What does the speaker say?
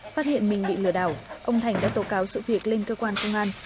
phát hiện mình bị lừa đảo ông thành đã tố cáo sự việc lên cơ quan công an